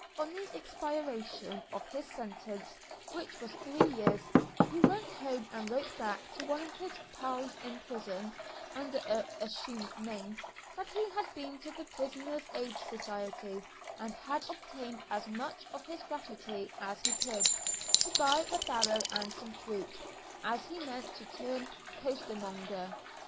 On the expiration of his sentence, which was three years, he went home and wrote back to one of his "pals" in prison, under an assumed name, that he had been to the Prisoners' Aid Society, and had obtained as much of his gratuity as he could, to buy a barrow and some fruit, as he meant to turn costermonger.